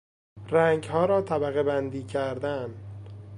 رنگها را طبقهبندی کردن